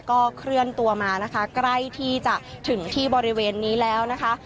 ก็เคลื่อนตัวมานะคะใกล้ที่จะถึงที่บริเวณนี้แล้วนะคะ